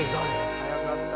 早かった。